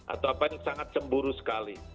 atau apanya sangat cemburu sekali